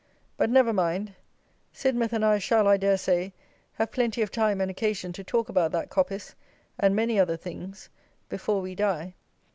But, never mind, Sidmouth and I shall, I dare say, have plenty of time and occasion to talk about that coppice, and many other things, before we die.